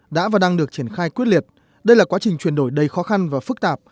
đã và đang được triển khai quyết liệt đây là quá trình chuyển đổi đầy khó khăn và phức tạp